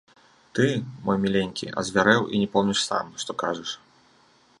Ты, мой міленькі, азвярэў і не помніш сам, што кажаш.